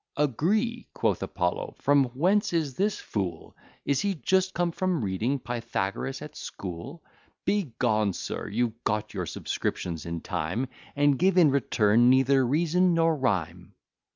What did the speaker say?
"Agree;" quoth Apollo: "from whence is this fool? Is he just come from reading Pythagoras at school? Begone, sir, you've got your subscriptions in time, And given in return neither reason nor rhyme."